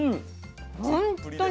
本当に。